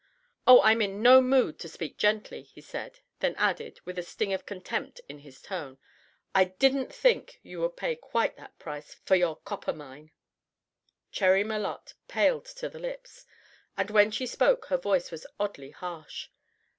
"Oh, I'm in no mood to speak gently," he said; then added, with a sting of contempt in his tone: "I didn't think you would pay quite that price for your copper mine." Cherry Malotte paled to her lips, and when she spoke her voice was oddly harsh.